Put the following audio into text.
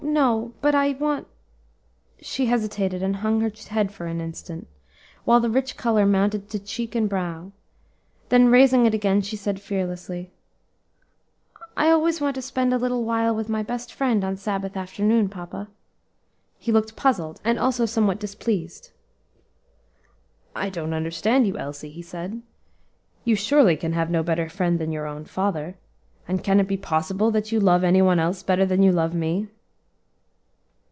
no;_ but I want " she hesitated and hung her head for an instant, while the rich color mounted to cheek and brow; then raising it again, she said fearlessly, "I always want to spend a little while with my best Friend on Sabbath afternoon, papa." He looked puzzled, and also somewhat displeased. "I don't understand you, Elsie," he said; "you surely can have no better friend than your own father; and can it be possible that you love any one else better than you love me?"